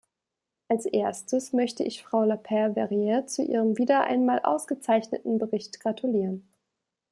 Als erstes möchte ich Frau Leperre-Verrier zu ihrem wieder einmal ausgezeichneten Bericht gratulieren.